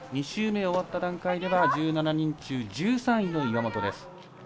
２周目終わった段階では１７人中１３位の岩本です。